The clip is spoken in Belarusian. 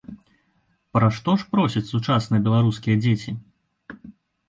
Пра што ж просяць сучасныя беларускія дзеці?